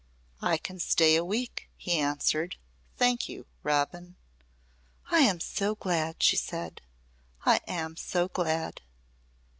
"I can stay a week," he answered. "Thank you, Robin." "I am so glad," she said. "I am so glad."